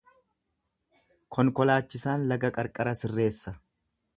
Konkolaachisaan laga qarqara sirreessa.